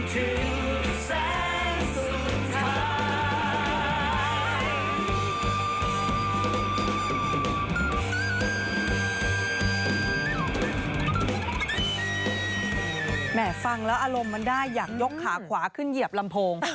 ฟังแล้วอารมณ์มันได้อยากยกขาขวาขึ้นเหยียบลำโพง